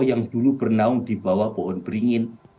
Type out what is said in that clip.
yang dulu bernaung di bawah pohon beringin